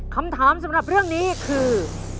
คำถามสำหรับเรื่องนี้คือ